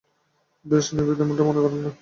বেশ, নেভি তেমনটা মনে করে না।